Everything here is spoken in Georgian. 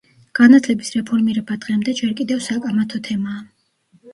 განათლების რეფორმირება დღემდე ჯერ კიდევ საკამათო თემაა.